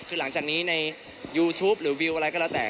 คือหลังจากนี้ในยูทูปหรือวิวอะไรก็แล้วแต่